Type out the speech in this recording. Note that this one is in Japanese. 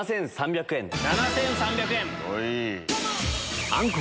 ７３００円。